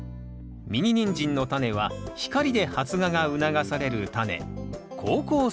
ミニニンジンのタネは光で発芽が促されるタネ好光性種子。